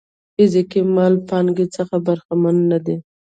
فزيکي مالي پانګې څخه برخمن نه دي.